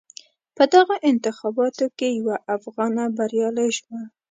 په دغو انتخاباتو کې یوه افغانه بریالی شوه.